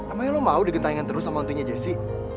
emang lo mau digentaingan terus sama nontonnya jessi